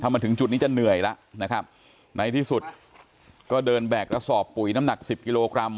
มาถึงจุดนี้จะเหนื่อยแล้วนะครับในที่สุดก็เดินแบกกระสอบปุ๋ยน้ำหนักสิบกิโลกรัม